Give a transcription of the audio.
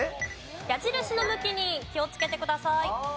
矢印の向きに気をつけてください。